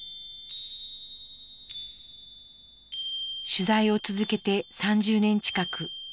取材を続けて３０年近く。